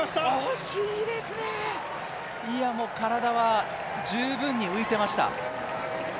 惜しいですね、いやもう、体は十分に浮いてました。